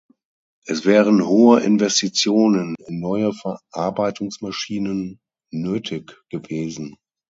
Es wären hohe Investitionen in neue Verarbeitungsmaschinen nötig gewesen.